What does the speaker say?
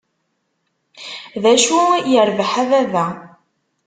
D acu, yirbeḥ a baba".